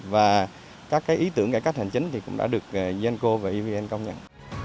và các ý tưởng cải cách hành chính cũng đã được evn genco và evn công nhận